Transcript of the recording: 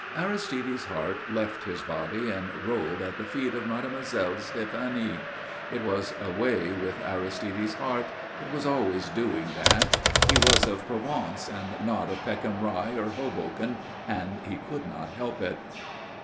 Aristide's heart left his body and rolled at the feet of Mademoiselle Stéphanie. It was a way with Aristide's heart. It was always doing that. He was of Provence and not of Peckham Rye or Hoboken, and he could not help it.